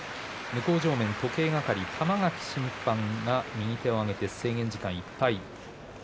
時計係の玉垣審判が右手を上げて制限時間がいっぱいです。